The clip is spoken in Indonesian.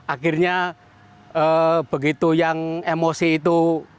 akhirnya begitu yang emosi itu